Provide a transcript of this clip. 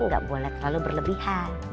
gak boleh terlalu berlebihan